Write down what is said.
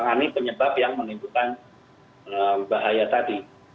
menangani penyebab yang menimbulkan bahaya tadi